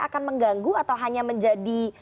akan mengganggu atau hanya menjadi